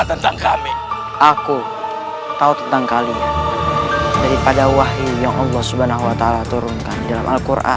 tentang kami aku tahu tentang kalian daripada wahyu yang allah subhanahuwata'ala turunkan dalam alquran